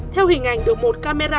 theo hình ảnh được một camera